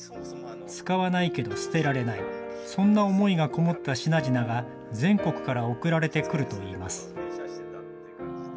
使わないけど捨てられない、そんな思いがこもった品々が、全国から送られてくるといいます。